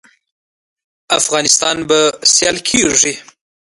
افغانستان به سیال کیږي